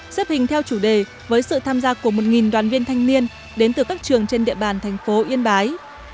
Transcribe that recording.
xếp hình theo chủ đề với sự tham gia của một đoàn viên thanh niên đến từ các trường trên địa bàn thành phố yên bái